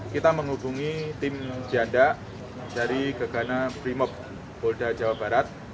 kita menghubungi tim janda dari gegana brimob polda jawa barat